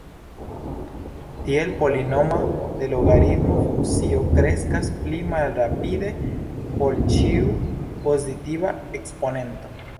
Tiel, polinoma de logaritmo funkcio kreskas pli malrapide ol ĉiu pozitiva eksponento.